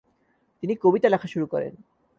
তিনি কবিতা লেখা শুরু করেন।